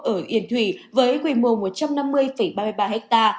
ở yên thủy với quy mô một trăm năm mươi ha